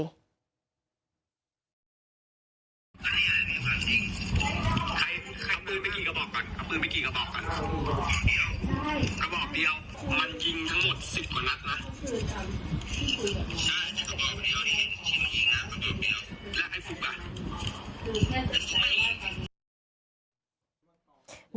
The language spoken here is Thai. กระบอกกัน